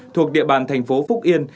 thuộc địa bàn thành phố phúc yên